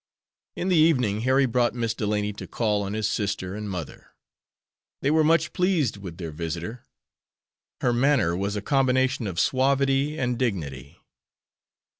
In the evening Harry brought Miss Delany to call on his sister and mother. They were much pleased with their visitor. Her manner was a combination of suavity and dignity.